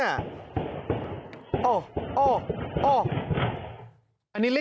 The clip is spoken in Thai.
เสียงปืนดังสนั่นชัดเจน